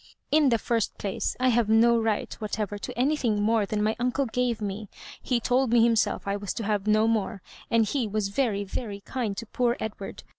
*' In the first place, I have no right whatever to anytiiuig more than my uncle gave me. He told me himself I was to have no more ; and he was veiy, very kind to poor Edward.